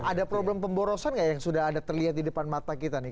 ada problem pemborosan nggak yang sudah ada terlihat di depan mata kita nih